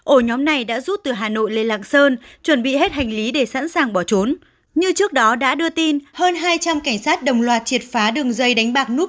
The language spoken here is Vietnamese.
ổ nhóm này đã giúp từ hà nội lê lạng sơn chuẩn bị hết hành lý để sẵn sàng bỏ trốn